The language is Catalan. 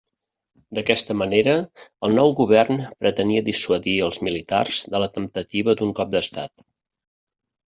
D'aquesta manera, el nou govern pretenia dissuadir els militars de la temptativa d'un cop d'estat.